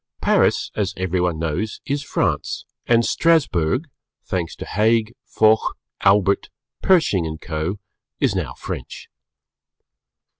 Paris, as everyone knows, is France, and Strasburg, thanks to Haig, Foch, Albert, Pershing and Co., is now French.